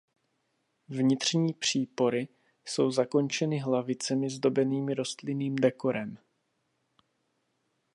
Vnitřní přípory jsou zakončeny hlavicemi zdobenými rostlinným dekorem.